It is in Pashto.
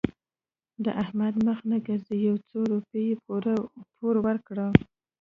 د احمد مخ نه ګرځي؛ يو څو روپۍ پور ورکړه.